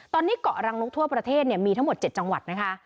ตอนนี้เกาะรังนกทั่วประเทศมีทั้งหมด๗จังหวัดนะคะ